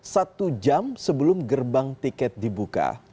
satu jam sebelum gerbang tiket dibuka